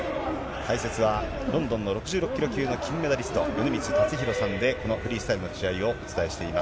解説はロンドンの６６キロ級の金メダリスト、米満達弘さんでこのフリースタイルの試合をお伝えしています。